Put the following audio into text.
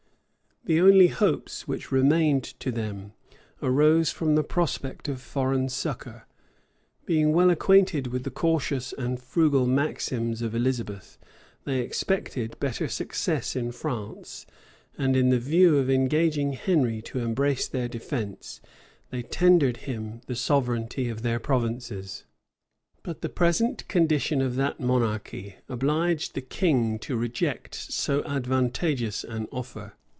The only hopes which remained to them arose from the prospect of foreign succor. Being well acquainted with the cautious and frugal maxims of Elizabeth, they expected better success in France; and in the view of engaging Henry to embrace their defence, they tendered him the sovereignty of their provinces. {1585.} But the present condition of that monarchy obliged the king to reject so advantageous an offer.